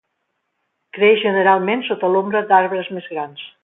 Creix generalment sota l'ombra d'arbres més grans.